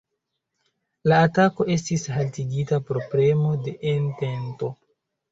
La atako estis haltigita pro premo de Entento.